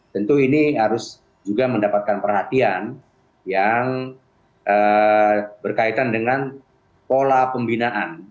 tentu ini harus juga mendapatkan perhatian yang berkaitan dengan pola pembinaan